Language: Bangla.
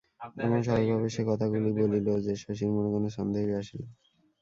এমন সহজভাবে সে কথাগুলি বলিল যে শশীর মনে কোনো সন্দেহই আসিল না।